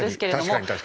確かに確かに。